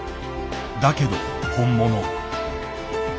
だけど本物。